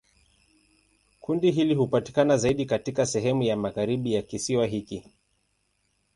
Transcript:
Kundi hili hupatikana zaidi katika sehemu ya magharibi ya kisiwa hiki.